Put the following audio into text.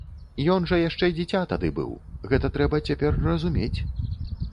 Ён жа яшчэ дзіця тады быў, гэта трэба цяпер разумець.